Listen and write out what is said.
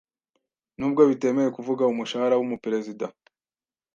N’ubwo bitemewe kuvuga umushahara w’umuperezida